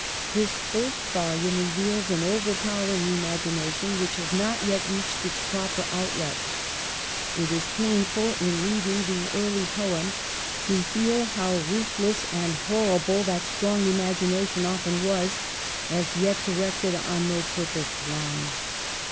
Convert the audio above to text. This first volume reveals an overpowering imagination which has not yet reached its proper outlet. It is painful, in reading these early poems, to feel how ruthless and horrible that strong imagination often was, as yet directed on no purposed line.